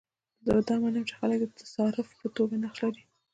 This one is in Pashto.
زه دا منم چې خلک د صارف په توګه نقش لري.